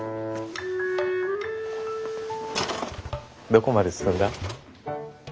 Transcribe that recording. どこまで進んだ？